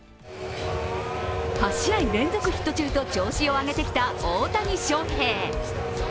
８試合連続ヒット中と調子を上げてきた大谷翔平。